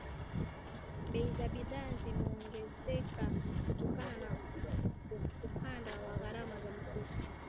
Bei za bidhaa zimeongezeka kutokana na kupanda kwa gharama za mafuta